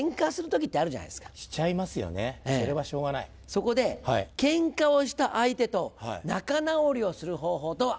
そこでケンカをした相手と仲直りする方法とは？